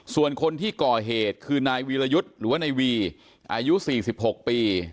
ส่วนคนที่ก่อเหตุคือนายวีรยุทธ์หรือว่านายวีอายุ๔๖ปี